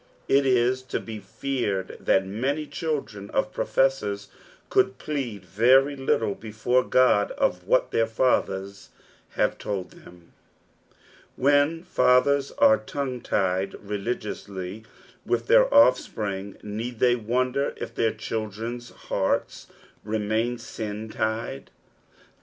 It is to be feared that many children of profesaors could plead very little before God of what their fathers have told them. When fathera are tongue tied religiously with their offsprioE, need they wonder if their clilldrcn'a liearts remain sin tied